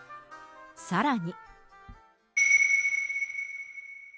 さらに。